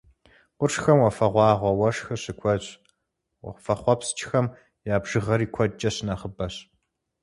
Къуршхэми уафэгъуагъуэ уэшхыр щыкуэдщ, уафэхъуэпскӏхэм я бжыгъэри куэдкӏэ щынэхъыбэщ.